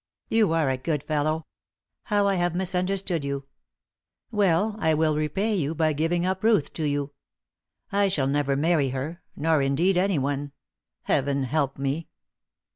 "You are a good fellow. How I have misunderstood you! Well, I will repay you by giving up Ruth to you; I shall never marry her, nor, indeed, anyone. Heaven help me!"